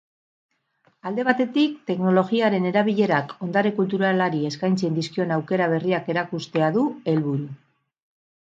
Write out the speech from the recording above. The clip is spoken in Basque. Alde batetik, teknologiaren erabilerak ondare kulturalari eskaintzen dizkion aukera berriak erakustea du helburu.